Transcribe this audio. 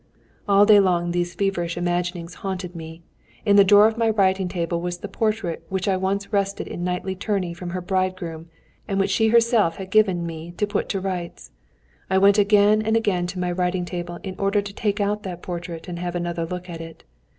All day long these feverish imaginings haunted me. In the drawer of my writing table was the portrait which I once wrested in knightly tourney from her bridegroom, and which she herself had given me to put to rights. I went again and again to my writing table in order to take out that portrait and have another look at it.